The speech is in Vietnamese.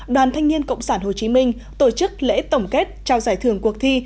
đoàn thanh niên cộng sản hồ chí minh tổ chức lễ tổng kết trao giải thưởng cuộc thi